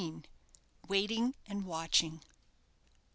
WAITING AND WATCHING.